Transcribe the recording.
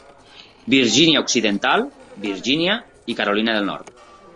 Virgínia Occidental, Virgínia i Carolina del Nord.